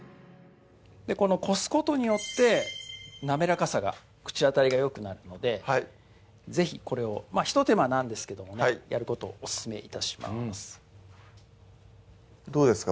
この漉すことによってなめらかさが口当たりがよくなるので是非これを一手間なんですけどもやることをオススメ致しますどうですか？